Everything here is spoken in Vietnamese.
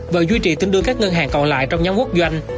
và duy trì tính đưa các ngân hàng còn lại trong nhóm quốc doanh